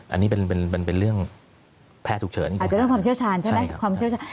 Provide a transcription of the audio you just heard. อันนี้เป็นมันเป็นเรื่องแพทย์ฉุกเฉินอาจจะเรื่องความเชี่ยวชาญใช่ไหมความเชี่ยวชาญ